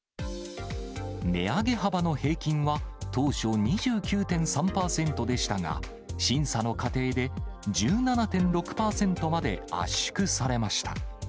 値上げ幅の平均は当初２９．３％でしたが、審査の過程で１７．６％まで圧縮されました。